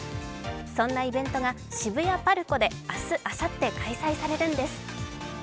そんなイベントが渋谷ＰＡＲＣＯで明日あさって開催されるんです。